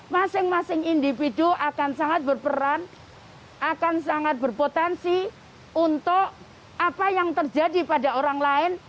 masing masing individu akan sangat berperan akan sangat berpotensi untuk apa yang terjadi pada orang lain